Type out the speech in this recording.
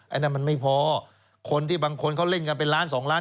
อันนั้นมันไม่พอคนที่บางคนเขาเล่นกันเป็นล้านสองล้าน